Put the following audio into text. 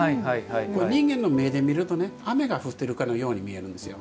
これ、人間の目で見ると雨が降ってるかのように見えるんですよ。